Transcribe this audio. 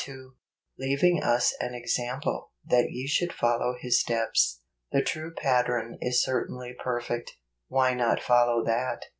" Leaving us an example, that ye should follow his steps." The true pattern is certainly perfect; why not follow that